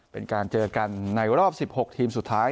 เป็นการเจอกันในรอบสิบหกทีมศูนย์สุดท้าย